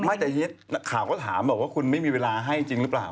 ไม่แต่เย็ดนักข่าวก็ถามบอกว่าคุณไม่มีเวลาให้จริงหรือเปล่า